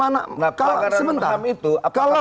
nah pelanggaran ham itu apakah pramu